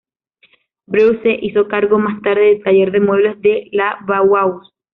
Breuer se hizo cargo más tarde del taller de muebles de la Bauhaus.